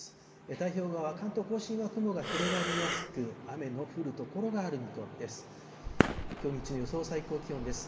太平洋側、関東甲信は雲が広がりやすく、雨の降る所がある見込みです。